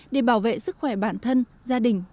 để bảo vệ sức khỏe bản thân gia đình và xã hội